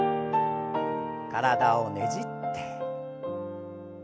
体をねじって。